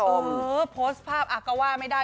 โอ้โหโพสต์ภาพอ่ะก็ว่าไม่ได้